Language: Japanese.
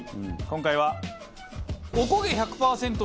今回は。